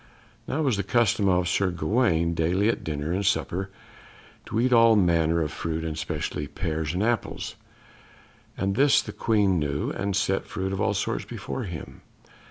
Now it was the custom of Sir Gawaine daily at dinner and supper to eat all manner of fruit, and especially pears and apples, and this the Queen knew, and set fruit of all sorts before him.